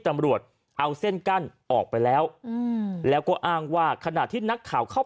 ตำรวจเอาเส้นกั้นออกไปแล้วอืมแล้วก็อ้างว่าขณะที่นักข่าวเข้า